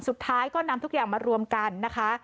สุดท้ายก็นำทุกอย่างมารวมกันนะคะ